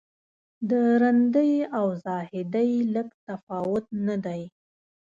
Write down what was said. د رندۍ او زاهدۍ لږ تفاوت نه دی.